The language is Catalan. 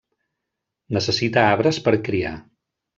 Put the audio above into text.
Necessita arbres per criar.